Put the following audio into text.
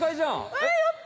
えっやった！